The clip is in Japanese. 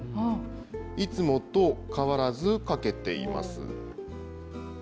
いつもと変わらずかけています。